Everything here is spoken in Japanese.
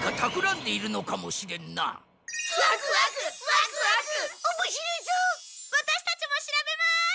ワタシたちも調べます！